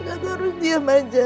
aku harus diam aja